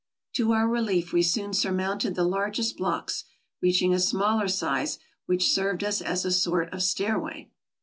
To our relief we soon surmounted the largest blocks, reaching a smaller size, which served us as a sort of stairway.